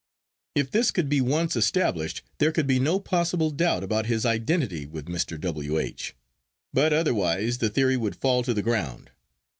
If this could be once established, there could be no possible doubt about his identity with Mr. W. H.; but otherwise the theory would fall to the ground.